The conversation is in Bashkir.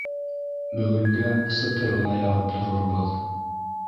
Бөгөнгә сытыр ғына яғып торорбоҙ.